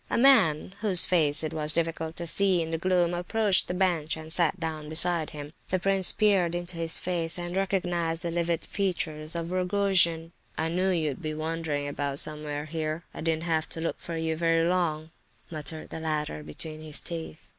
A man, whose face it was difficult to see in the gloom, approached the bench, and sat down beside him. The prince peered into his face, and recognized the livid features of Rogojin. "I knew you'd be wandering about somewhere here. I didn't have to look for you very long," muttered the latter between his teeth.